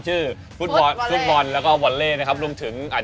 คือจริงเขาเล่นกันมาเยอะ